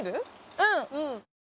うん。